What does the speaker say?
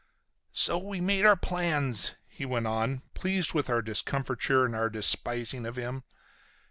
"So we made our plans," he went on, pleased with our discomfiture and our despising of him.